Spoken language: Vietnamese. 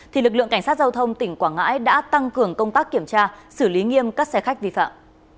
thì lực lượng cảnh sát giao thông tỉnh quảng ngãi đã tăng cường công tác kiểm tra xử lý nghiêm các xe khách vi phạm